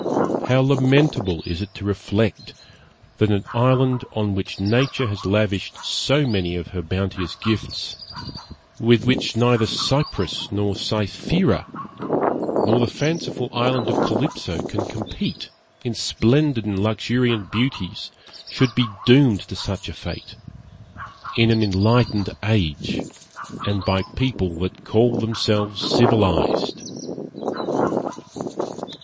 how lamentable is it to reflect, that an island on which Nature has lavished so many of her bounteous gifts, with which neither Cyprus nor Cythera, nor the fanciful island of Calypso, can compete in splendid and luxuriant beauties, should be doomed to such a fate, in an enlightened age, and by a people that call themselves civilized!